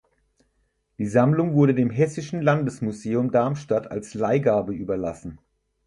Die Sammlung wurde dem Hessischen Landesmuseum Darmstadt als Leihgabe überlassen.